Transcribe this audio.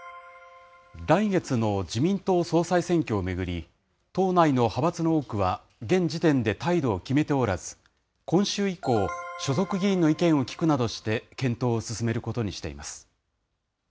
来月の自民党総裁選挙を巡り、党内の派閥の多くは、現時点で態度を決めておらず、今週以降、所属議員の意見を聞くなどして、検討を進めることにしています。